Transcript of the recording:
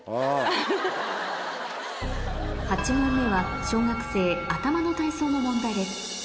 ８問目は小学生頭の体操の問題です